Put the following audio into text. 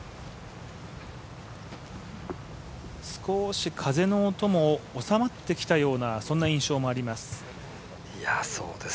少し風の音も収まってきたような印象もあります。